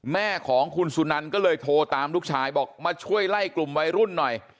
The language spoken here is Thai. แม่ของคุณสุนันก็เลยโทรตามลูกชายบอกมาช่วยไล่กลุ่มวัยรุ่นหน่อย